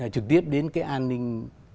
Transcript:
trực tiếp đến cái an ninh